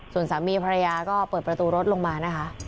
ส่วนสามีภรรยาก็เปิดประตูรถลงมานะคะ